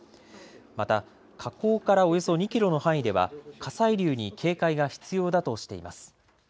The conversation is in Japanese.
また火口からおよそ２キロの範囲では火砕流に警戒が必要だとしています。